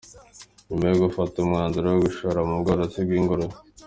Nyuma yo gufata umwanzuro wo gushora mu bworozi bw’ingurube.